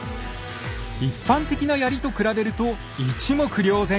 一般的な槍と比べると一目瞭然！